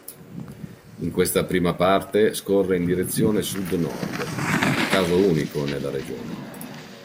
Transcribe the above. In questa prima parte scorre in direzione sud-nord, caso unico nella regione.